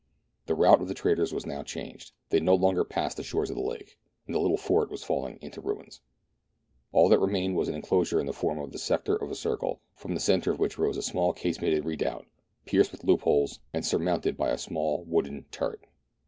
The route of the traders was now changed '. they no longer passed the shores of the lake, and the little fort was falling into ruins. All that remained was an enclosure in the form of the sector of a circle, from the centre of which rose a small casemated redoubt, pierced with loop holes, and surmounted by a small wooden turret.